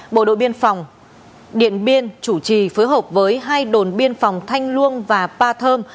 bộ đội biên phòng điện biên chủ trì phối hợp với hai đồn biên phòng thanh luông và pa thơm